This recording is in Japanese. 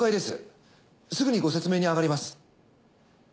すぐにご説明にあがります。